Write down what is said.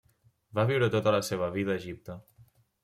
Va viure tota la seva vida a Egipte.